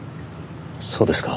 そうですか。